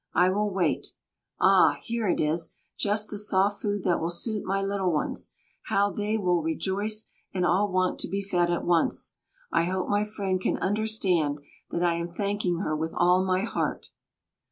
I will wait. Ah! here it is, just the soft food that will suit my little ones: how they will rejoice and all want to be fed at once. I hope my friend can understand that I am thanking her with all my heart."